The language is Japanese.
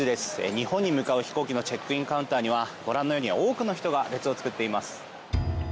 日本に向かう飛行機のチェックインカウンターにはご覧のように多くの人が列を作っています。